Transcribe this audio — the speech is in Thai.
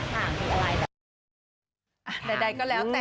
ใช่สบายใจค่ะ